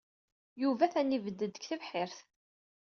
Yuba atan yebded deg tebḥirt.